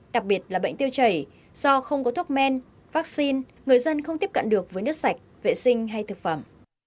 đặc biệt là bệnh tiêu chảy do không có thuốc men vaccine người dân không tiếp cận được với nước sạch vệ sinh hay thực phẩm